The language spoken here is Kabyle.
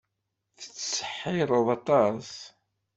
Tettseḥḥireḍ aṭas.